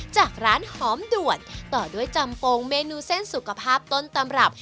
จากร้านหอมด่วนต่อด้วยจำโปรงเมนูเส้นสุขภาพต้นตำรับ